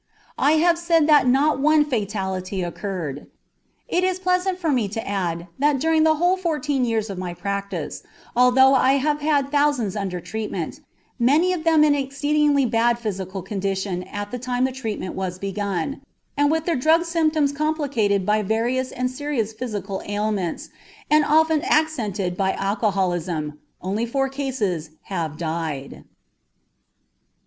I have said that not one fatality occurred. It is pleasant for me to add that during the whole fourteen years of my practice, although I have had thousands under treatment, many of them in exceedingly bad physical condition at the time the treatment was begun, with their drug symptoms complicated by various and serious physical ailments and often accented by alcoholism, only four cases have died.